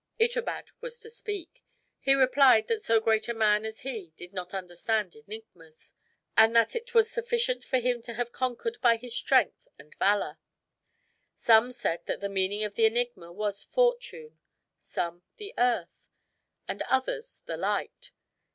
Itobad was to speak. He replied that so great a man as he did not understand enigmas, and that it was sufficient for him to have conquered by his strength and valor. Some said that the meaning of the enigma was Fortune; some, the Earth; and others the Light.